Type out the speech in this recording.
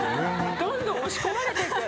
どんどん押し込まれていく。